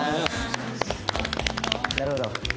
なるほど。